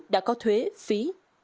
đã có thuế phí